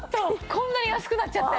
こんなに安くなっちゃって！